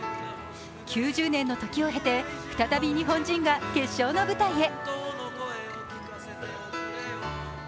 ９０年の時を経て、再び日本人が決勝の舞台へ。